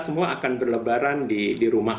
semua akan berlebaran di rumah